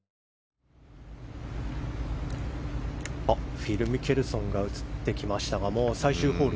フィル・ミケルソンが映ってきましたがもう最終ホール。